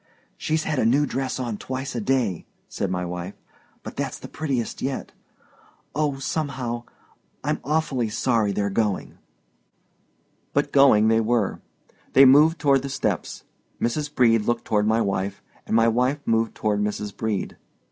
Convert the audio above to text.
"She's had a new dress on twice a day," said my wife, "but that's the prettiest yet. Oh, somehow—I'm awfully sorry they're going!" But going they were. They moved toward the steps. Mrs. Brede looked toward my wife, and my wife moved toward Mrs. Brede.